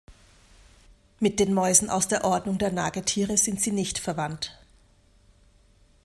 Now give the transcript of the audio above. Mit den Mäusen aus der Ordnung der Nagetiere sind sie nicht verwandt.